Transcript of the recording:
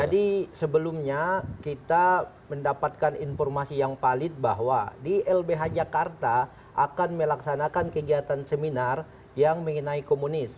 jadi sebelumnya kita mendapatkan informasi yang palit bahwa di lbh jakarta akan melaksanakan kegiatan seminar yang mengenai komunis